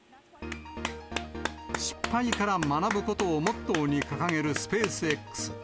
失敗から学ぶことをモットーに掲げるスペースＸ。